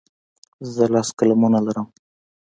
زه لس قلمونه لرم.